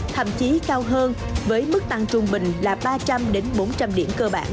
thậm chí cao hơn với mức tăng trung bình là ba trăm linh bốn trăm linh điểm cơ bản